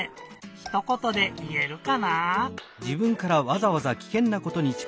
ひとことでいえるかな？